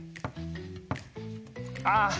ああ！